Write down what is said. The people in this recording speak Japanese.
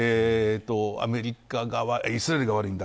アメリカ側イスラエル側が悪いんだ。